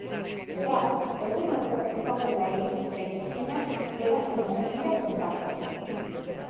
Beraz, egun horretatik aurrera iritsi zaizkienak geratzen omen dira zenbatzeko.